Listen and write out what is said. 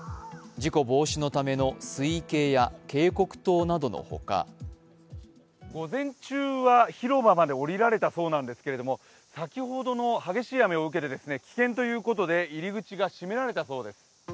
事故防止のための水位計や警告灯なとのほか午前中は広場まで降りられたそうなんですけれども、先ほどの激しい雨を受け、危険ということで入り口が閉められたそうです。